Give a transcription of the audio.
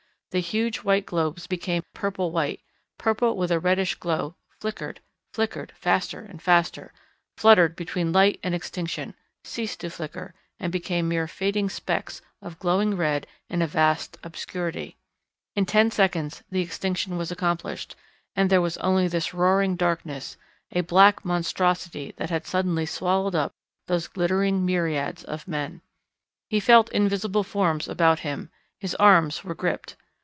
The huge white globes became purple white, purple with a reddish glow, flickered, flickered faster and faster, fluttered between light and extinction, ceased to flicker and became mere fading specks of glowing red in a vast obscurity. In ten seconds the extinction was accomplished, and there was only this roaring darkness, a black monstrosity that had suddenly swallowed up those glittering myriads of men. He felt invisible forms about him; his arms were gripped.